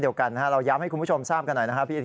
เดียวกันเราย้ำให้คุณผู้ชมทราบกันหน่อยนะครับพี่อิน